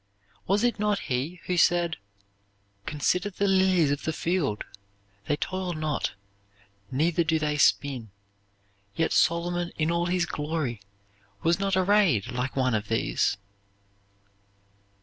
Was it not He who said: "Consider the lilies of the field; they toil not, neither do they spin; yet Solomon in all his glory was not arrayed like one of these"?